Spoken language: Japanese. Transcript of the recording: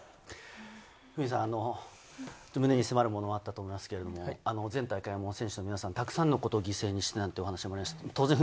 フミさん、胸に迫るものがあったと思いますけれど、前大会の選手の皆さん、たくさんのことを犠牲にしたというお話もありました。